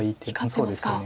そうですよね。